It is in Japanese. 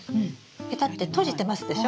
ペタッて閉じてますでしょ？